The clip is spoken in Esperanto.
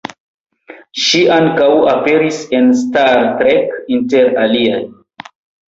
Ŝi ankaŭ aperis en Star Trek, inter aliaj.